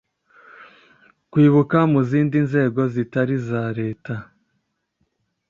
kwibuka mu zindi nzego zitari iza leta